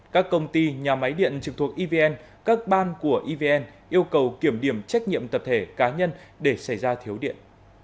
các công ty nhà máy điện trực thuộc evn các ban của evn yêu cầu kiểm điểm trách nhiệm tập thể cá nhân để xảy ra thiếu điện